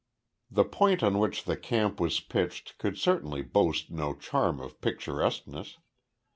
The point on which the camp was pitched could certainly boast no charm of picturesqueness.